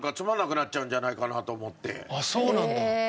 あっそうなんだ。